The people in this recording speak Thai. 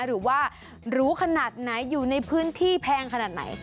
หรือว่าหรูขนาดไหนอยู่ในพื้นที่แพงขนาดไหน